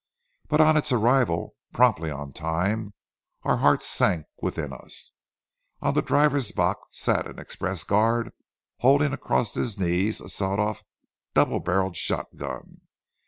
But on its arrival, promptly on time, our hearts sank within us. On the driver's box sat an express guard holding across his knees a sawed off, double barreled shotgun.